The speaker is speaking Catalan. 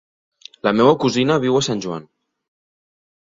La meva cosina viu a Sant Joan.